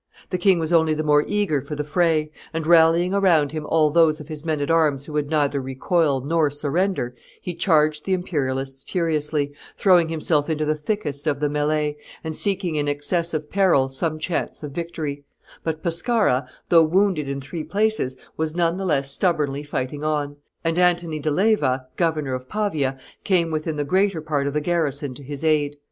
The king was only the more eager for the fray; and, rallying around him all those of his men at arms who would neither recoil nor surrender, he charged the Imperialists furiously, throwing himself into the thickest of the melley, and seeking in excess of peril some chance of victory; but Pescara, though wounded in three places, was none the less stubbornly fighting on, and Antony de Leyva, governor of Pavia, came with the greater part of the garrison to his aid.